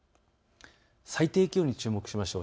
最低気温に注目しましょう。